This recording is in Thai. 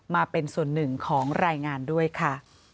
มาเป็นส่วนหนึ่งของรายงานด้วยค่ะ